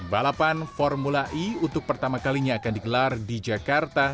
balapan formula e untuk pertama kalinya akan digelar di jakarta